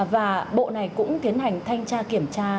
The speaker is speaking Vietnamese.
và bộ này cũng tiến hành thanh tra kiểm tra